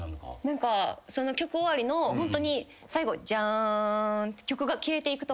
何か曲終わりのホントに最後ジャーンって曲が消えていくところ。